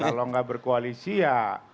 ya kalau tidak berkoalisi ya